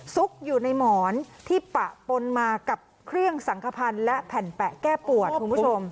ซุกอยู่ในหมอนที่ปะปนมากับเครื่องสังขพันธ์และแผ่นแปะแก้ปวดคุณผู้ชม